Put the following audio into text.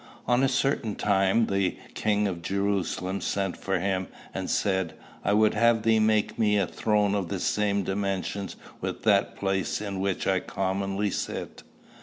"On a certain time the king of Jerusalem sent for him, and said, I would have thee make me a throne of the same dimensions with that place in which I commonly sit.